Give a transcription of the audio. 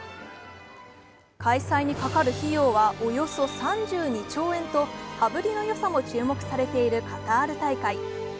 開催にかかる費用はおよそ３２兆円と羽振りのよさも注目されているカタール大会。